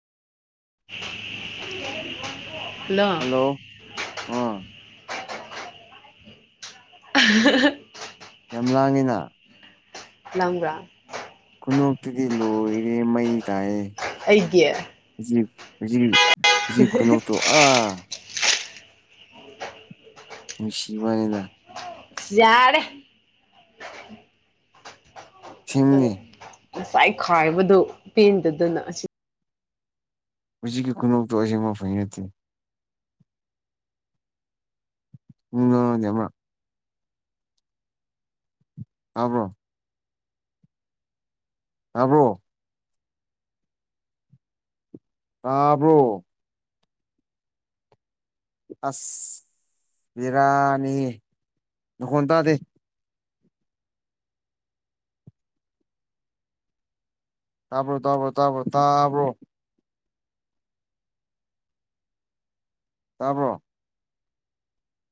ꯍꯥꯜꯂꯣ hello ꯑꯥ [unintelligible] ꯌꯥꯝ ꯂꯥꯡꯉꯤꯅ ꯂꯥꯡꯕ꯭ꯔꯥ ꯈꯨꯅꯣꯛꯇꯨꯗꯤ ꯂꯣꯏꯔꯦ ꯃꯩ ꯇꯥꯏꯑꯦ ꯑꯩꯒꯤ ꯍꯧꯖꯤꯛ ꯍꯧꯖꯤꯛ ꯈꯨꯅꯣꯛꯇꯣ ꯅꯨꯡꯁꯤꯕꯅꯤꯗ ꯌꯥꯔꯦ ꯁꯤꯃꯃꯤ [inaudible] ꯉꯁꯥꯏ ꯈꯥꯏꯕꯗꯨ ꯄꯦꯟꯗꯗꯅ ꯑꯁꯤ ꯍꯧꯖꯤꯛꯀꯤ ꯈꯨꯨꯅꯣꯛꯇꯣ ꯑꯁꯤꯡꯃꯛ [inaudible] ꯅꯠꯇꯦ ꯅꯣꯛꯑꯣ ꯅꯦ ꯑꯃꯔꯛ ꯇꯥꯕ꯭ꯔꯣ ꯇꯥꯕ꯭ꯔꯣ ꯇꯥꯕ꯭ꯔꯣ ꯑꯁ ꯕꯤꯔꯥꯅꯤ ꯃꯥꯈꫭꯟ ꯇꯥꯗꯦ ꯇꯥꯕꯣ ꯇꯕꫭ ꯇꯕꫭ ꯇꯥꯕꯣ ꯇꯥꯕ꯭ꯔꯣ